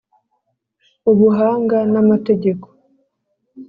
Ubuhanga n’Amategeko